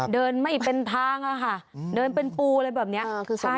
เดินไม่เป็นทางอ่ะค่ะเดินเป็นปูอะไรแบบนี้ค่ายที่สุดนะคะ